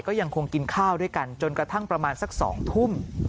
ก็ยังคงกินข้าวด้วยกันจนกระทั่งประมาณสัก๒ทุ่ม